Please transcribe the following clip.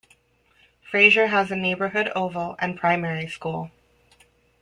Fraser has a neighbourhood oval and primary school.